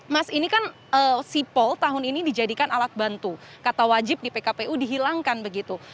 mas ini kan sipol tahun ini dijadikan alat bantu kata wajib di pkpu dihilangkan begitu